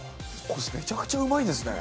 めちゃくちゃうまいですね。